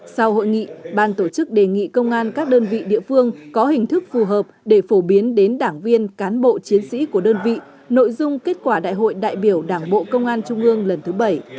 sau hội nghị ban tổ chức đề nghị công an các đơn vị địa phương có hình thức phù hợp để phổ biến đến đảng viên cán bộ chiến sĩ của đơn vị nội dung kết quả đại hội đại biểu đảng bộ công an trung ương lần thứ bảy